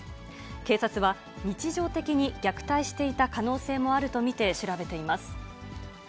警察は、日常的に虐待していた可能性もあると見て調べています。